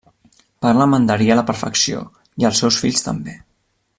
Parla mandarí a la perfecció, i els seus fills també.